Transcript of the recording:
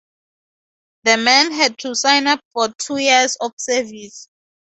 The men had to sign up for two years of service.